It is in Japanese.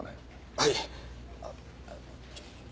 はい。